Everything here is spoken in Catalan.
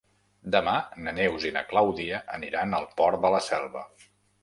Demà na Neus i na Clàudia aniran al Port de la Selva.